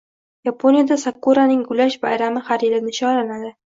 Yaponiyada sakuraning gullash bayrami har yili nishonlanadi